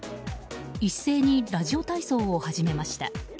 一斉にラジオ体操を始めました。